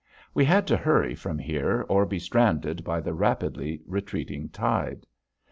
We had to hurry from here or be stranded by the rapidly retreating tide.